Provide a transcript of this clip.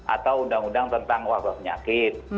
atau undang undang tentang wabah penyakit